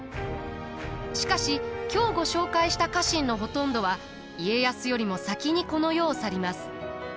しかし今日ご紹介した家臣のほとんどは家康よりも先にこの世を去ります。